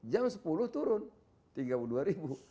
jam sepuluh turun tiga puluh dua ribu